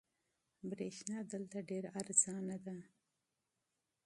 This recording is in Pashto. برېښنا دلته ډېره ارزانه ده.